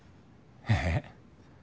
えっ。